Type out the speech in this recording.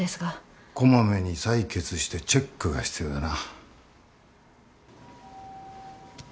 小まめに採血してチェックが必要だな。